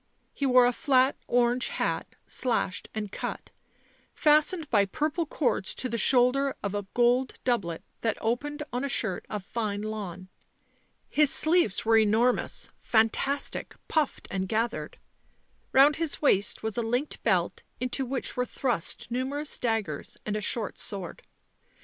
He wore a flat orange hat, slashed and cut, fastened by purple cords to the shoulder of a gold doublet that opened on a shirt of fine lawn ; his sleeves were enor mous, fantastic, puffed and gathered ; round his waist was a linked belt into which were thrust numerous daggers and a short sword.